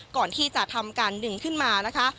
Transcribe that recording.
ก่อนที่จะทำการดึงขึ้นมานะคะ